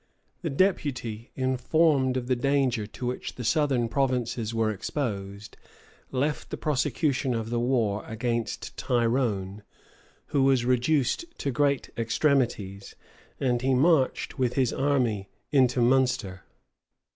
The deputy, informed of the danger to which the southern provinces were exposed, left the prosecution of the war against Tyrone, who was reduced to great extremities; and he marched with his army into Munster.